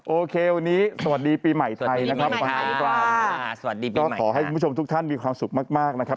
โอเควันนี้สวัสดีปีใหม่ไทยนะครับขอให้ผู้ชมทุกท่านมีความสุขมากนะครับ